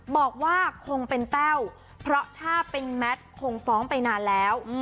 บอกว่าคงเป็นแต้วเพราะถ้าเป็นแมทคงฟ้องไปนานแล้ว